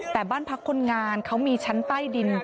แต่บ้านพักคนงานเขามีชั้นใต้ดิน